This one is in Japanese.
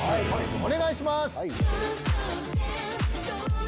お願いします！